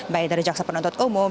baik dari jaksa penuntut umum